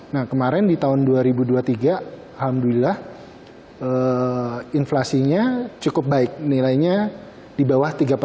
nah kemarin di tahun dua ribu dua puluh tiga alhamdulillah inflasinya cukup baik nilainya di bawah tiga puluh delapan